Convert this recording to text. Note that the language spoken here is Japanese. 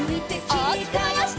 おおきくまわして。